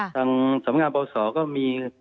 ทางสามงานปพวศก็มี